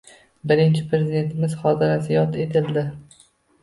Birinchi Prezidentimiz xotirasi yod etildi